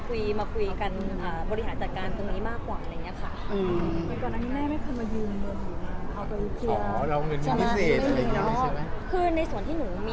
มาคุยกันบริหารจัดการตรงนี้มากกว่าอะไรอย่างนี้ค่ะ